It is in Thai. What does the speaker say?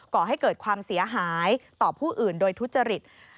ก่อให้เกิดความเสียหายต่อผู้อื่นโดยทุจริต